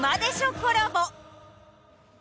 コラボ。